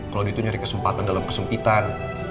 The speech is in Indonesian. kalau dia tuh nyari kesempatan dalam kesempitan